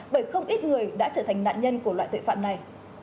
bởi không ít người đã trở thành nạn nhân của loại tội phạm này